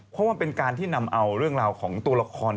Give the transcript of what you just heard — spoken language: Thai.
เพราะว่าเป็นการที่นำเอาเรื่องราวของตัวละคร